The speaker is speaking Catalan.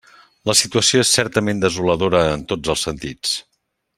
La situació és certament desoladora en tots els sentits.